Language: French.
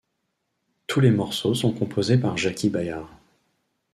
Tous les morceaux sont composés par Jaki Byard.